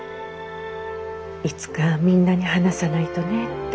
いつかみんなに話さないとねって。